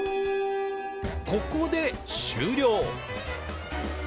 ここで終了。